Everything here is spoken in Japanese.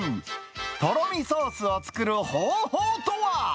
とろみソースを作る方法とは。